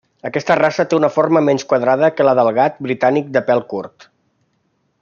Aquesta raça té una forma menys quadrada que la del gat britànic de pèl curt.